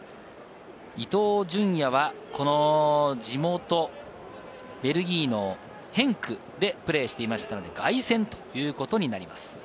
伊東純也は、地元ベルギーのヘンクでプレーしていましたので、凱旋ということになります。